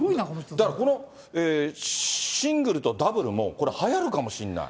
だからこのシングルとダブルも、これ、はやるかもしんない。